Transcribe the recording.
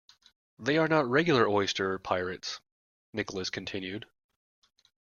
They are not regular oyster pirates, Nicholas continued.